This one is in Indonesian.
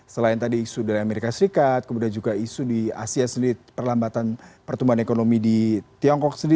selain tadi isu dari amerika serikat kemudian juga isu di asia sendiri perlambatan pertumbuhan ekonomi di tiongkok sendiri